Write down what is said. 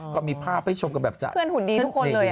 ก็มีภาพให้ชมกันแบบจะเพื่อนหุ่นดีทุกคนเลย